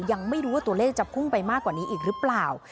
ยังไม่รู้ว่าตัวเลขจะพุ่งไปมากกว่านี้อีกหรือเปล่า